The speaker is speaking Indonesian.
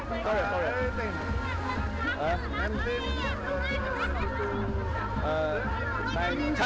apa yang anda inginkan